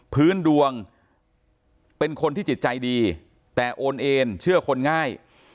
พื้นดวงเป็นคนที่จิตใจดีแต่โอนเอนเชื่อคนง่าย